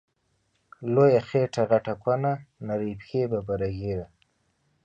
لویه خیټه غټه کونه، نرۍ پښی ببره ږیره